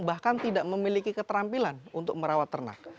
bahkan tidak memiliki keterampilan untuk merawat ternak